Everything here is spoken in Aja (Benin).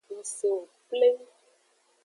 Ngsewo pleng.